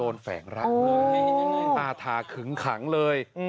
โดนแฝงร่างเลยอาทาขึงขังเลย